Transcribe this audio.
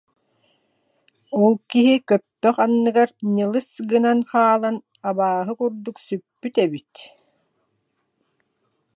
Ол киһи көппөх анныгар ньылыс гынан хаалан абааһы курдук сүппүт эбит